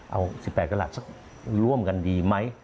เอา๑๘กระหลาดสักร่วมกันดีไหม